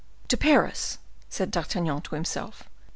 "To Paris!" said D'Artagnan to himself.